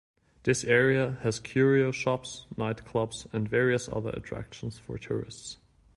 This area has curio shops, night clubs and various other attractions for tourists.